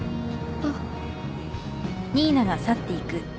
あっ。